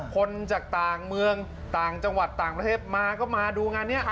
คนจากต่างเมืองต่างจังหวัดต่างประเทศมาก็มาดูงานนี้